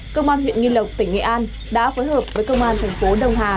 cơ quan huyện nghìn lộc tỉnh nghệ an đã phối hợp với công an thành phố đông hà